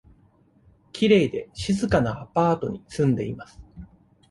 きれいで静かなアパートに住んでいます。